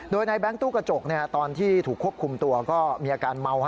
โดยในแบงค์ตู้กระจกตอนที่ถูกควบคุมตัวก็มีอาการเมา